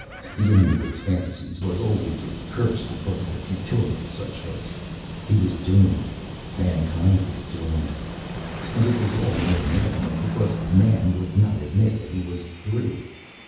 The end of his fantasies was always a curse because of the futility of such hopes. He was doomed! Mankind was doomed! And it was all the more maddening because Man would not admit that he was through.